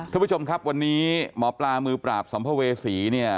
ทุกผู้ชมครับวันนี้หมอปลามือปราบสมภเวศรี